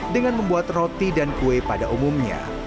dengan membuat roti dan kue pada umumnya